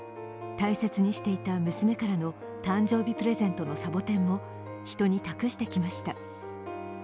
大切にしていた娘からの誕生日プレゼントのサボテンも人に託してきました。